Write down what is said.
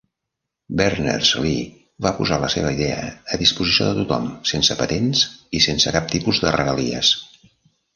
Berners-Lee va posar la seva idea a disposició de tothom, sense patents i sense cap tipus de regalies.